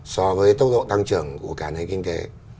so với tốc độ tăng trưởng của cả nền kinh tế